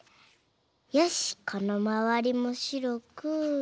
よしこのまわりもしろく。